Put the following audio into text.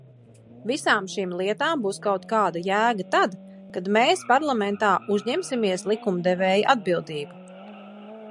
Visām šīm lietām būs kaut kāda jēga tad, kad mēs Parlamentā uzņemsimies likumdevēja atbildību.